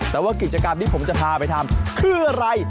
แต่ว่ากิจกรรมที่ผมจะพาไปทำคืออะไร